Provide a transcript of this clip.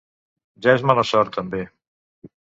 Ja és mala sort, també!